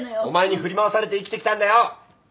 お前に振り回されて生きてきたんだよ！